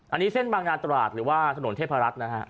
อันนี้เส้นบางนาตรวาสหรือทะพรัตย์